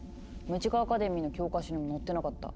ムジカ・アカデミーの教科書にも載ってなかった。